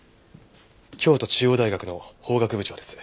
京都中央大学の法学部長です。